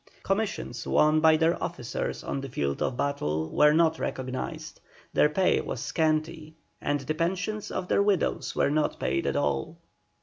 Commissions won by their officers on the field of battle were not recognised, their pay was scanty, and the pensions of their widows were not paid at all.